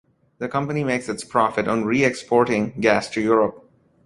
The company makes its profit on re-exporting gas to Europe.